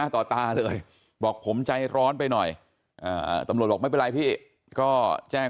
ต่อตาเลยบอกผมใจร้อนไปหน่อยตำรวจบอกไม่เป็นไรพี่ก็แจ้ง